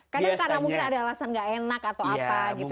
kadang kadang mungkin ada alasan gak enak atau apa gitu ya